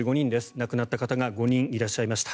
亡くなった方が５人いらっしゃいました。